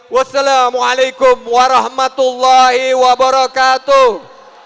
wassalamu'alaikum warahmatullahi wabarakatuh